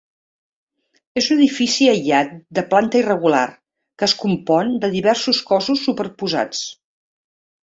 És un edifici aïllat de planta irregular que es compon de diversos cossos superposats.